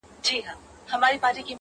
هره ورځ انتظار، هره شپه انتظار,